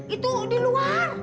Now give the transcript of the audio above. itu di luar